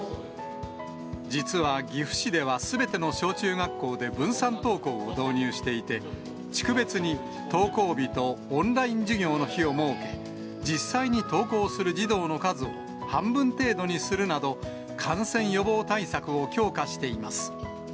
実は岐阜市では、すべての小中学校で分散登校を導入していて、地区別に登校日とオンライン授業の日を設け、実際に登校する児童の数を半分程度にするなど、感染予防対策を強化しています。